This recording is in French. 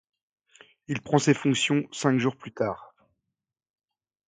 Il prend ses fonctions cinq jours plus tard.